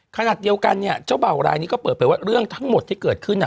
ขณะเดียวกันเนี่ยเจ้าบ่าวรายนี้ก็เปิดเผยว่าเรื่องทั้งหมดที่เกิดขึ้น